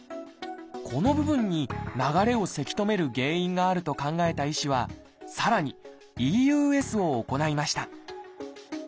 この部分に流れをせき止める原因があると考えた医師はさらに「ＥＵＳ」を行いました。